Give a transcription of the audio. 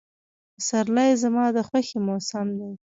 پسرلی زما د خوښې موسم دی.